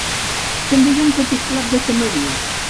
També hi ha un petit clap de tamarius.